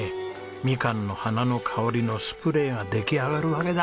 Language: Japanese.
みかんの花の香りのスプレーが出来上がるわけだ。